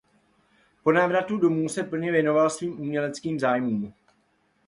Po návratu domů se plně věnoval svým uměleckým zájmům.